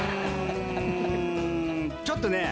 ちょっとね